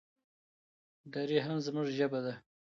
دري هم زموږ ژبه ده.